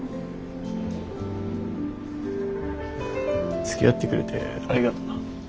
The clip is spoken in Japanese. つきあってくれてありがとな。